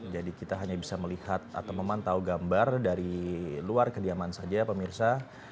jadi kita hanya bisa melihat atau memantau gambar dari luar kediaman saja pemirsa